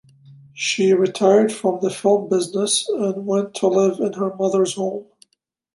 She retired from the film business, and went to live in her mother's home.